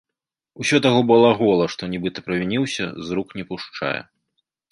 Усё таго балагола, што нібыта правініўся, з рук не пушчае.